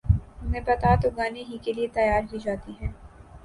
نباتات اگانے ہی کیلئے تیار کی جاتی ہیں